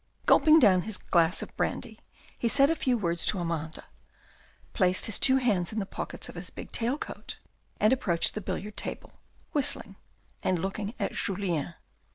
Gulping down his glass of brandy, he said a few words to Amanda, placed his two hands in the pockets of his big tail coat, and approached the billiard table, whistling, and looking at Julien.